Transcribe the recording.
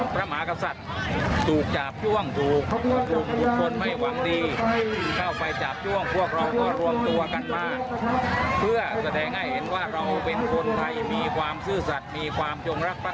พรรคปรักฏีต่อสถาบันพระมหากษัตริย์